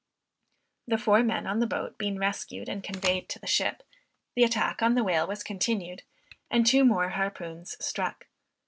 The four men on the boat being rescued and conveyed to the ship, the attack on the whale was continued and two more harpoons struck.